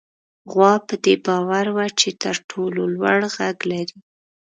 غوا په دې باور وه چې تر ټولو لوړ غږ لري.